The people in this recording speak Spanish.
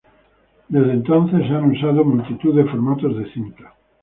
Desde entonces, multitud de formatos de cinta han sido usados.